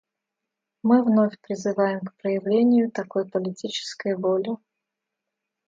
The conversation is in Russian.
Мы вновь призываем к проявлению такой политической воли.